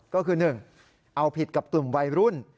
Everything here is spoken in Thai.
ก็คือ๑เอาผิดกับกลุ่มวัยรุ่น